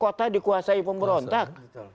kota dikuasai pemberontak